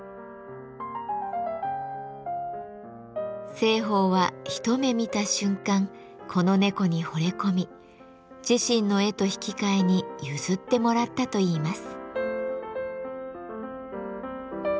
栖鳳は一目見た瞬間この猫にほれ込み自身の絵と引き換えに譲ってもらったといいます。